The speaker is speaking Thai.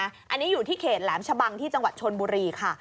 อันนี้อยู่ที่เขตแหลมชะบังที่จังหวัดชนบุรีค่ะ